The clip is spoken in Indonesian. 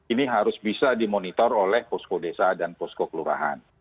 ini harus bisa dimonitor oleh posko desa dan posko kelurahan